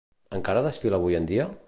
Encara desfila avui en dia?